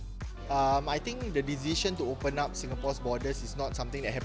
saya pikir keputusan untuk membuka peringkat singapura tidak terjadi sepanjang malam